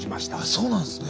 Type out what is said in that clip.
そうなんすね。